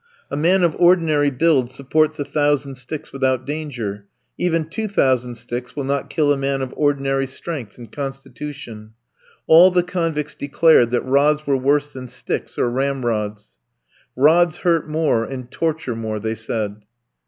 A man of ordinary build supports a thousand sticks without danger; even two thousand sticks will not kill a man of ordinary strength and constitution. All the convicts declared that rods were worse than sticks or ramrods. "Rods hurt more and torture more!" they said.